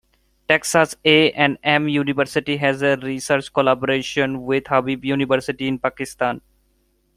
Texas A and M University has a research collaboration with Habib University in Pakistan.